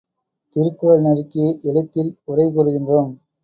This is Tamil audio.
திருக்குறள் நெறிக்கு எழுத்தில் உரை கூறுகின்றோம்.